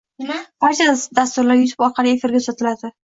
Barcha dasturlar YouTube orqali efirga uzatiladi.